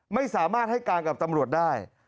ไม่สามารถให้การกับตำรวจได้